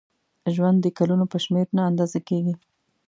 ژوند د کلونو په شمېر نه اندازه کېږي.